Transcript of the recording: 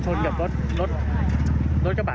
ก็คือเราชนกับรถกระบาด